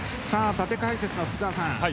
縦解説の福澤さん。